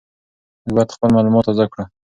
موږ باید خپل معلومات تازه کړو.